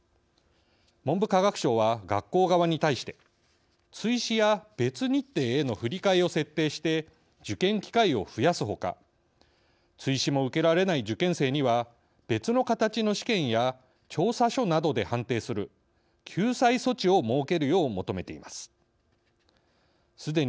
文部科学省は学校側に対して追試や別日程への振替を設定して受験機会を増やすほか追試も受けられない受験生には別の形の試験や調査書などで判定する救済措置を設けるよう求めています。